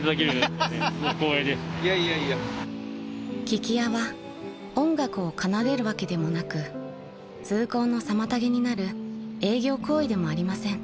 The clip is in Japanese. ［聞き屋は音楽を奏でるわけでもなく通行の妨げになる営業行為でもありません］